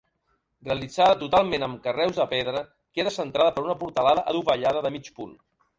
Realitzada totalment amb carreus de pedra, queda centrada per una portalada adovellada de mig punt.